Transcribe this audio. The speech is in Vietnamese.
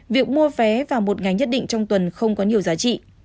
việc mua vé vào một ngày nhất định trong tuần không có nhiều giá trị